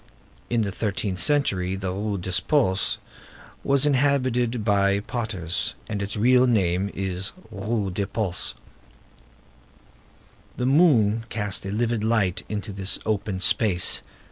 In the thirteenth century this Rue des Postes was inhabited by potters, and its real name is Rue des Pots. The moon cast a livid light into this open space.